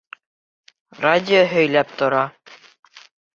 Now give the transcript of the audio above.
Радио һөйләп тора.